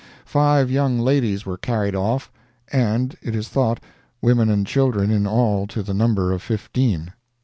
Five young ladies were carried off, and, it is thought, women and children in all to the number of fifteen.